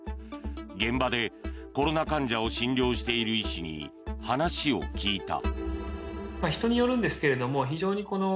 現場でコロナ患者を診療している医師に話を聞いた。